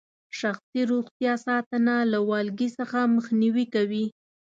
شخصي روغتیا ساتنه له والګي څخه مخنیوي کوي.